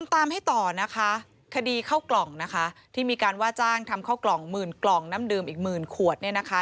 ตามให้ต่อนะคะคดีเข้ากล่องนะคะที่มีการว่าจ้างทำเข้ากล่องหมื่นกล่องน้ำดื่มอีกหมื่นขวดเนี่ยนะคะ